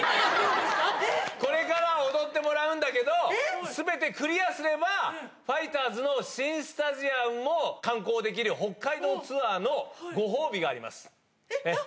これから踊ってもらうんだけど、すべてクリアすれば、ファイターズの新スタジアムも観光できる北海道ツアーのご褒美がえっ？